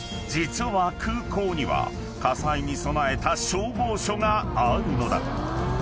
実は空港には火災に備えた消防署があるのだ］